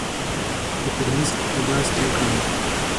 په ترمیز کې تماس ټینګ کړم.